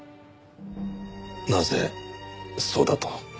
なぜそうだと？